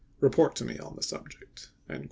Report to me on the subject.